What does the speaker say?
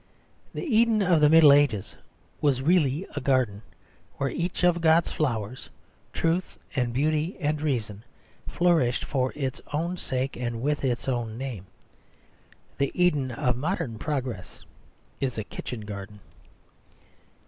The Eden of the Middle Ages was really a garden, where each of God's flowers truth and beauty and reason flourished for its own sake, and with its own name. The Eden of modern progress is a kitchen garden.